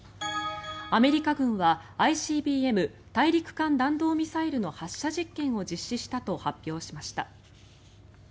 アメリカ軍はＩＣＢＭ・大陸間弾道ミサイルの発射実験を実施したと発表しました。